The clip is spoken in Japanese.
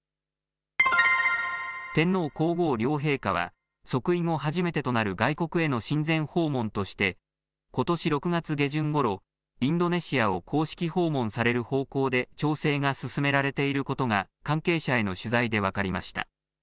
天皇皇后両陛下は即位後初めてとなる外国への親善訪問としてことし６月下旬ごろインドネシアを公式訪問される方向で調整が進められていることが関係者への取材で分かりました。